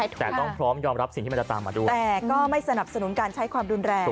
แต่ต้องพร้อมยอมรับสิ่งที่มันจะตามมาด้วยแต่ก็ไม่สนับสนุนการใช้ความรุนแรง